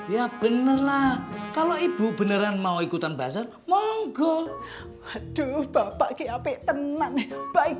ya bener lah kalau ibu beneran mau ikutan bazar monggo aduh bapaknya api tenang baik